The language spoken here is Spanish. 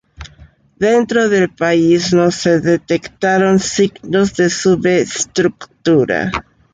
Dentro del país, no se detectaron signos de subestructura.